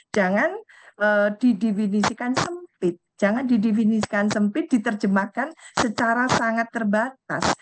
jangan didefinisikan sempit jangan didefinisikan sempit diterjemahkan secara sangat terbatas